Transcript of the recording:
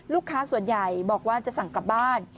ลูกค้าส่วนใหญ่บอกว่าจะสั่งกลับบ้าน